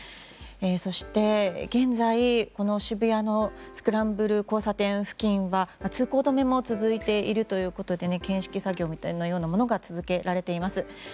そして現在、この渋谷のスクランブル交差点付近は通行止めも続いているということで鑑識作業みたいなものが続けられています。